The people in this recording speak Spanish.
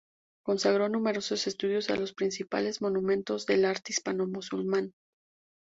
Consagró numerosos estudios a los principales monumentos del arte hispanomusulmán.